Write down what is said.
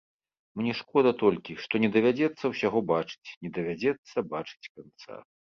Мне шкода толькі, што не давядзецца ўсяго бачыць, не давядзецца бачыць канца.